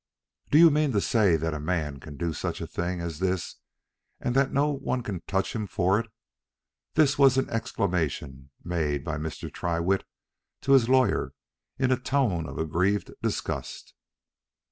"Do you mean to say that a man can do such a thing as this and that no one can touch him for it?" This was an exclamation made by Mr. Tyrrwhit to his lawyer, in a tone of aggrieved disgust.